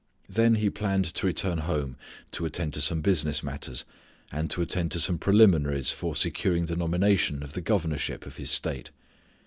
Then he planned to return home to attend to some business matters, and to attend to some preliminaries for securing the nomination for the governorship of his state.